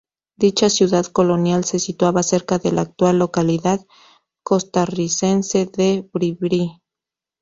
Dicha ciudad colonial se situaba cerca de la actual localidad costarricense de Bribri.